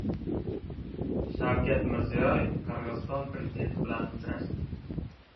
Shavkat Mirziyoyev Qirg‘iziston prezidenti bilan uchrashdi